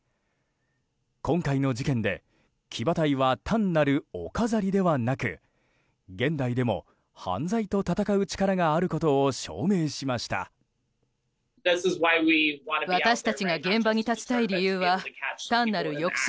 今回の事件で、騎馬隊は単なるお飾りではなく現代でも犯罪と戦う力があることを証明しました。